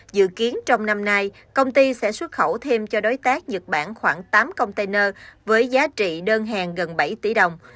dự kiến trong năm nay công ty sẽ xuất khẩu thêm cho đối tác nhật bản khoảng tám container với giá trị đơn hàng gần bảy tỷ đồng